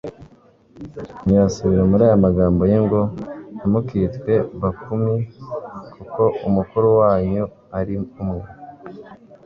ntiyasubira muri aya magambo ye ngo: «ntimukitwe bakum, kuko umukuru wanyu ari umwe,